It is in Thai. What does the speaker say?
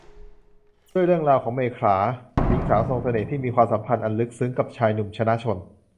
ด้วยเรื่องราวของ เมขลา หญิงสาวทรงเสน่ห์ที่มีความสัมพันธ์อันลึกซึ้งกับชายหนุ่ม ชนะชล